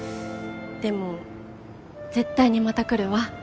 でも絶対にまた来るわ。